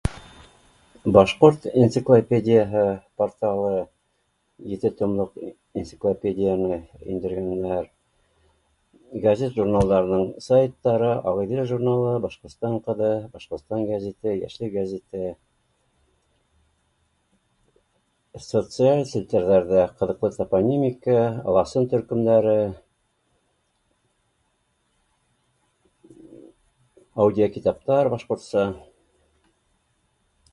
Башҡорт энциклопедияһы порталы, ете томлыҡ энциклопедияны индергәндәр, гәзит-журналдарҙың сайттары, Ағиҙел журналы, Башҡортостан ҡыҙы, Башҡортостан гәзите, Йәшлек гәзите, социаль селтәрҙәрҙә ҡыҙыҡлы топономика, ыласын төркөмдәре, аудио китаптар башҡортса